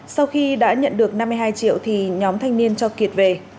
sau khi đã nhận được năm mươi hai triệu thì nhóm thanh niên cho kiệt về